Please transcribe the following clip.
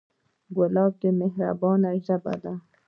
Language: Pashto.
ګلاب د مهربانۍ ژبه ده.